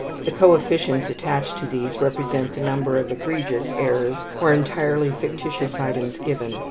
The coefficients attached to these represent the number of egregious errors or entirely fictitious items given.